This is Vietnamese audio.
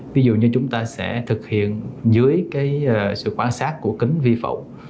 ví dụ như chúng ta sẽ thực hiện dưới cái sự quan sát của kính vi phạm